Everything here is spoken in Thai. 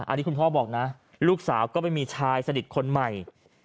อันนี้คุณพ่อบอกนะลูกสาวก็ไปมีชายสนิทคนใหม่